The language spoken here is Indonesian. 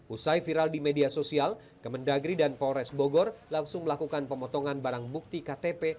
usai viral di media sosial kemendagri dan polres bogor langsung melakukan pemotongan barang bukti ktp